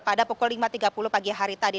pada pukul lima tiga puluh pagi hari tadi